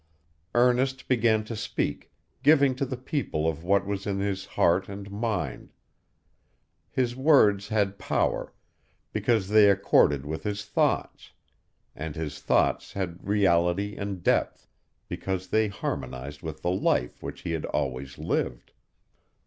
Ernest began to speak, giving to the people of what was in his heart and mind. His words had power, because they accorded with his thoughts; and his thoughts had reality and depth, because they harmonized with the life which he had always lived.